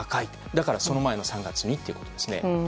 だから、その前の３月にということですね。